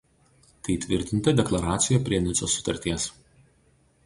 Tai įtvirtinta deklaracijoje prie Nicos sutarties.